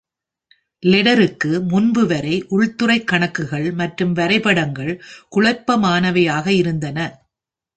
லெடரருக்கு முன்பு வரை, உள்துறை கணக்குகள் மற்றும் வரைபடங்கள் குழப்பமானவையாக இருந்தன.